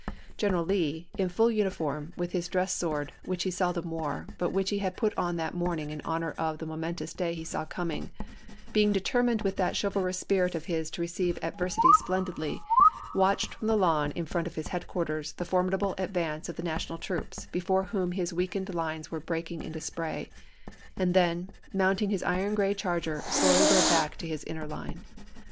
General Lee, in full uni form, with his dress sword, which he seldom wore, but which he had put on that morning in honor of the momentous day he saw coming, — being deter mined with that chivalrous spirit of his to receive adversity splendidly, — watched from the lawn in front of his headquarters the formidable advance of the National troops before whom his weakened j, E# lines were breaking into spray, and then, mounting "L$e of his iron gray charger, slowly rode back to his inner V447ee' line.